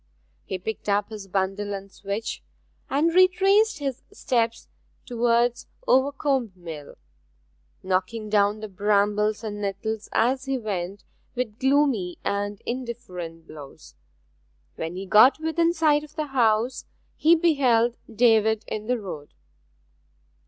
He picked up his bundle and switch, and retraced his steps towards Overcombe Mill, knocking down the brambles and nettles as he went with gloomy and indifferent blows. When he got within sight of the house he beheld David in the road.